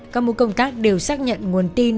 các mối công tác đều xác nhận nguồn tin